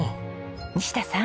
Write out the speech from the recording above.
西田さん